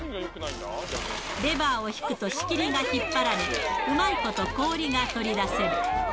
レバーを引くと仕切りが引っ張られ、うまいこと氷が取り出せる。